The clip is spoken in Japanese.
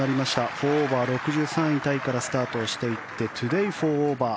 ４オーバー、６３位タイからスタートしていってトゥデー４オーバー。